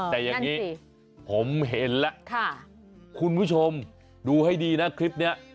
แต่อย่างนี้ผมเห็นแล้วคุณผู้ชมดูให้ดีนะคลิปนี้